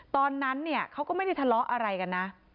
ตอนนั้นเนี่ยเขาก็ไม่ได้ทะเลาะอะไรกันนะ